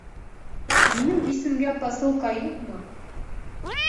Минең исемгә посылка юҡмы?